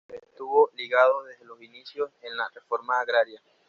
Estuvo ligado desde los inicios en la Reforma Agraria.